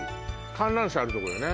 観覧車あるとこよね？